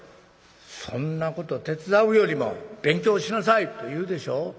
そんなこと手伝うよりも勉強しなさいと言うでしょ。